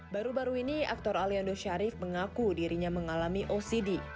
baru baru ini aktor aliando syarif mengaku dirinya mengalami ocd